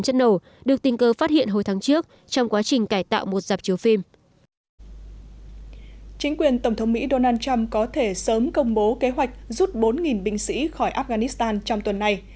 chính quyền tổng thống mỹ donald trump có thể sớm công bố kế hoạch rút bốn binh sĩ khỏi afghanistan trong tuần này